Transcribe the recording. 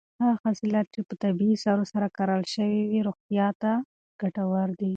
هغه حاصلات چې په طبیعي سرو سره کرل شوي روغتیا ته ګټور دي.